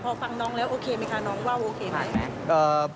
พอฟังน้องแล้วโอเคไหมคะน้องว่าโอเคไหม